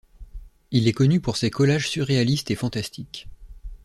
Il est connu pour ses collages surréalistes et fantastiques.